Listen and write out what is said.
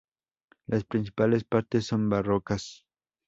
Las principales partes son barrocas.